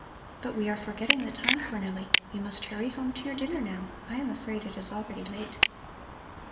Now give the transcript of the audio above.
But we are forgetting the time, Cornelli. You must hurry home to your dinner, now. I am afraid it is already late."